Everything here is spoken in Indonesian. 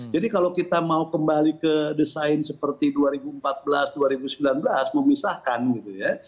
kalau kita mau kembali ke desain seperti dua ribu empat belas dua ribu sembilan belas memisahkan gitu ya